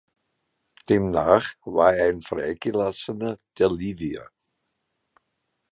Demnach war er ein Freigelassener der Livia.